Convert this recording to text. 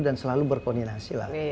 dan selalu berkoordinasi lah